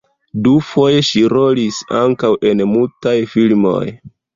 Dufoje ŝi rolis ankaŭ en mutaj filmoj.